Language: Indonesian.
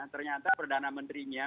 ternyata perdana menterinya